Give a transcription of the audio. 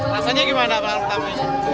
rasanya gimana pengalaman pertama ini